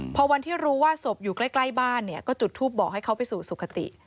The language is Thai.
พอวันที่รู้ว่าศพอยู่ใกล้บ้านเนี่ยก็จุดทูปบอกให้เขาไปสู่สุขติ